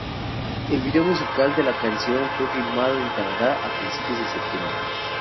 El vídeo musical de la canción fue filmado en Canadá a principios de septiembre.